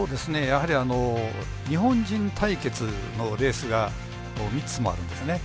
やはり日本人対決のレースが３つもあるんですね。